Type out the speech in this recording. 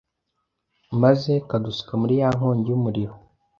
maze kadusuka muri ya nkongi y’umuriro.